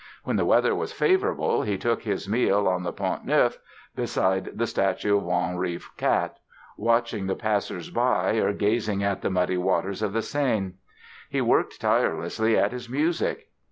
When the weather was favorable he took this meal on the Pont Neuf, beside the statue of Henri IV, watching the passersby or gazing at the muddy waters of the Seine. He worked tirelessly at his music.